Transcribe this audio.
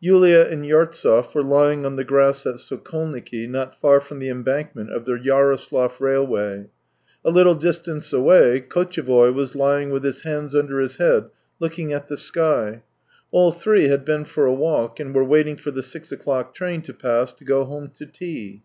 Yulia and Yartsev were lying on the grass at Sokolniki not far from the embankment of the Yaroslav rail way; a little distance away Kotchevoy was lying with his hands under his head, looking at the sky. All three had been for a walk, and were waiting for the six o'clock train to pass to go home to tea.